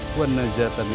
kalau aku adek